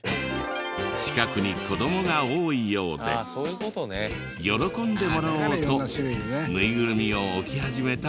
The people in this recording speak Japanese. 近くに子どもが多いようで喜んでもらおうとぬいぐるみを置き始めたらしい。